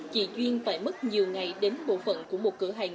chị duyên phải mất nhiều ngày đến bộ phận của một cửa hàng